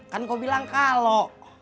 kan kau bilang kalau